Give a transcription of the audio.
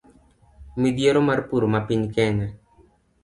Midhiero mar pur ma piny Kenya